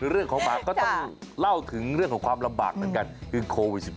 เรื่องของหมาก็ต้องเล่าถึงเรื่องของความลำบากเหมือนกันคือโควิด๑๙